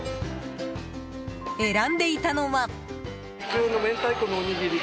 選んでいたのは。